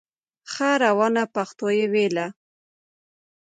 ښه روانه پښتو یې ویله